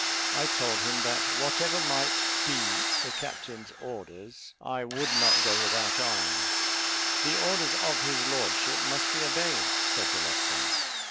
I told him, that whatever might me the captain's orders, I would not go without arms. "The orders of his lordship must be obeyed," said the lieutenant.